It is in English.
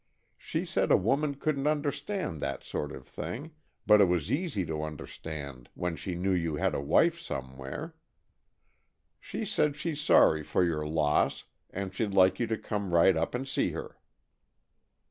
She said a woman couldn't understand that sort of thing, but it was easy to understand when she knew you had a wife somewhere. She said she's sorry for your loss, and she'd like you to come right up and see her."